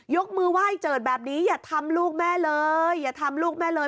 ยกมือไหว้เจิดแบบนี้อย่าทำลูกแม่เลยอย่าทำลูกแม่เลย